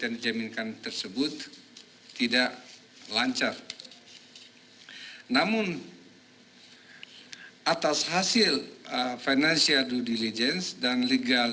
terima tersebut tidak lancar namun atas hasil financial due diligence dan legal